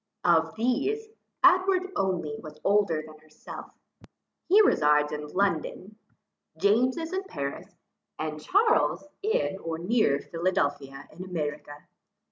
Of these, Edward only was older than herself; he resides in London. James is in Paris, and Charles in or near Philadelphia in America.